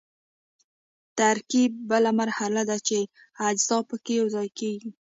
ترکیب بله مرحله ده چې اجزا پکې یوځای کیږي.